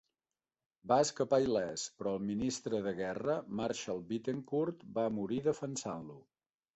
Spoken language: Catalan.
Va escapar il·lès, però el ministre de guerra, Marshal Bittencourt va morir defensant-lo.